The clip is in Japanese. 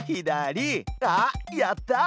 あっやった！